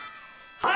はい！